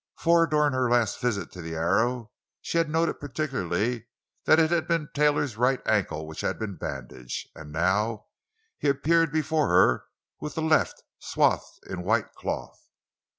For during her last visit to the Arrow she had noted particularly that it had been Taylor's right ankle which had been bandaged, and now he appeared before her with the left swathed in white cloth!